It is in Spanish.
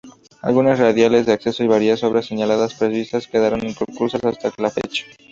Algunas radiales de acceso y varias obras aledañas previstas quedaron inconclusas, hasta la fecha.